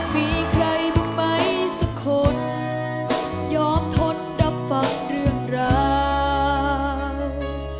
มีใครบ้างไหมสักคนยอมทนรับฟังเรื่องราว